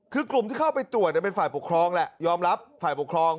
คือกลุ่มที่เข้าไปตรวจเป็นฝ่ายปกครองแหละยอมรับฝ่ายปกครอง